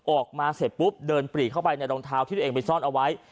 ออกมาเสร็จปุ๊บเดินปรีเข้าไปในรองเท้าที่ตัวเองไปซ่อนเอาไว้